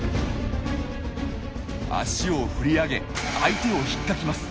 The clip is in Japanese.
足を振り上げ相手をひっかきます。